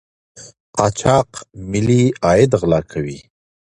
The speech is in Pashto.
قاچاق ملي عاید غلا کوي.